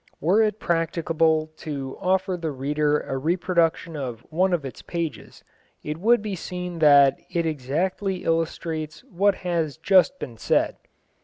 Were it practicable to offer the reader a reproduction of one of its pages, it would be seen that it exactly illustrates what has just been said.